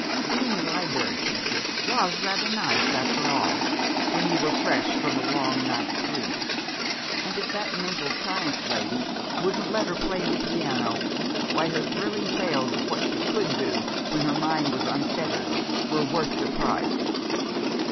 Being a Liberry Teacher was rather nice, after all, when you were fresh from a long night's sleep. And if that Mental Science Lady wouldn't let her play the piano, why, her thrilling tales of what she could do when her mind was unfettered were worth the price.